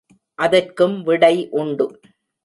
அதற்கும் விடை உண்டு.